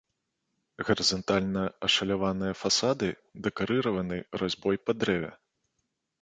Гарызантальна ашаляваныя фасады дэкарыраваны разьбой па дрэве.